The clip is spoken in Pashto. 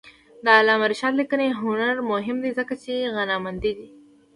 د علامه رشاد لیکنی هنر مهم دی ځکه چې غنامند دی.